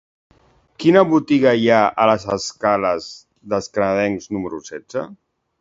Quina botiga hi ha a les escales dels Canadencs número setze?